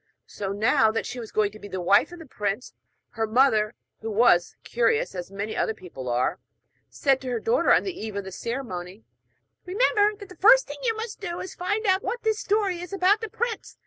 So now that she was going to be the wife of the prince, her mother (who was curious, as many other people are) said to her daughter on the eve of the ceremony: 'Remember that the first thing you must do is to find out what this story is about the prince.